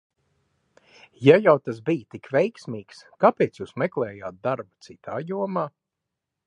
Ja jau tas bija tik veiksmīgs, kāpēc jūs meklējāt darbu citā jomā?